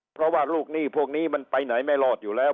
เพราะว่าลูกหนี้พวกนี้มันไปไหนไม่รอดอยู่แล้ว